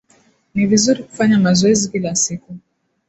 Ni vizuri kufanya mazoezi kila siku.